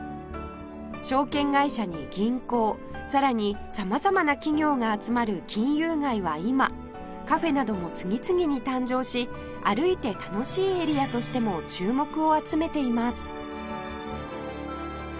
証券会社に銀行さらに様々な企業が集まる金融街は今カフェなども次々に誕生し歩いて楽しいエリアとしても注目を集めています